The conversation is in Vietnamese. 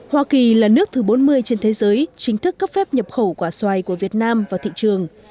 hoa kỳ là nước thứ bốn mươi trên thế giới chính thức cấp phép nhập khẩu quả xoài của việt nam vào thị trường